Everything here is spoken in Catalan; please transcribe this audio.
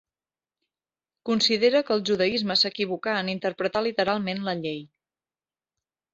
Considera que el judaisme s'equivocà en interpretar literalment la Llei.